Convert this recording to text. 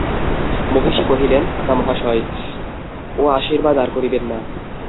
মহিষী কহিলেন, কাকামহাশয়, ও আশীর্বাদ আর করিবেন না।